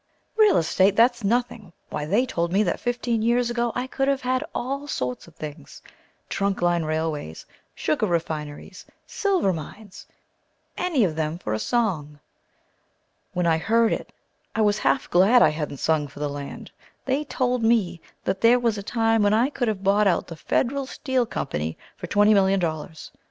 Real estate! That's nothing! Why they told me that fifteen years ago I could have had all sorts of things, trunk line railways, sugar refineries, silver mines, any of them for a song. When I heard it I was half glad I hadn't sung for the land. They told me that there was a time when I could have bought out the Federal Steel Co. for twenty million dollars!